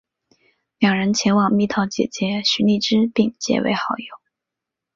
两人前往蜜桃姐姐徐荔枝并结为好友。